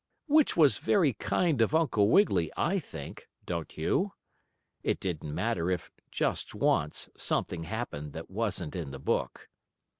Which was very kind of Uncle Wiggily, I think; don't you? It didn't matter if, just once, something happened that wasn't in the book.